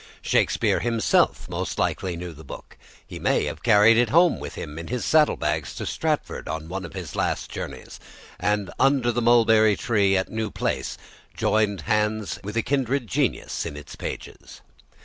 Shakespeare himself most likely knew the book; he may have carried it home with him in his saddle bags to Stratford on one of his last journeys, and under the mulberry tree at New Place joined hands with a kindred genius in its pages.